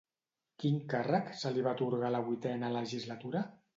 Quin càrrec se li va atorgar a la vuitena legislatura?